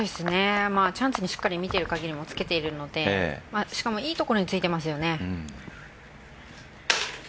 チャンスに、見てる限りつけているのでしかも、いい所についていますよね。